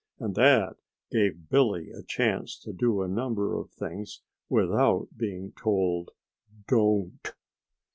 And that gave Billy a chance to do a number of things without being told "Don't!"